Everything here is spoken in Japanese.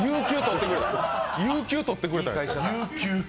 有休取ってくれた。